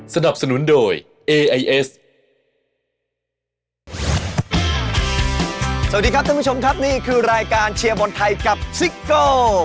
สวัสดีครับท่านผู้ชมครับนี่คือรายการเชียร์บอลไทยกับซิโก้